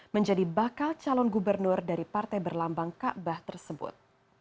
menjadi bakal calon gubernur dari partai berlambang kaabah tersebut